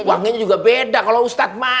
wanginya juga beda kalau ustadz mah